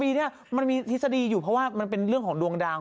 ปีนี้มันมีทฤษฎีอยู่เพราะว่ามันเป็นเรื่องของดวงดาว